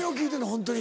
ホントに。